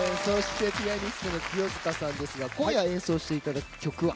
ピアニストの清塚さんですが今夜演奏していただく曲は？